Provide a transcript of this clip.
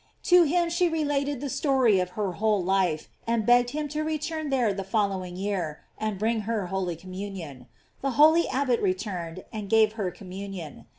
To him she related the story of her whole life, and begged him to return there the following year, and bring her holy communion. The holy abbot returned, and gave her communion.